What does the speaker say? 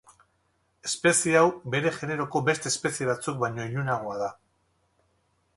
Espezie hau bere generoko beste espezie batzuk baino ilunagoa da.